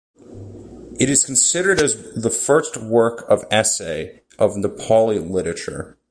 It is considered as the first work of essay of Nepali literature.